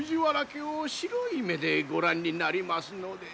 家を白い目でご覧になりますので。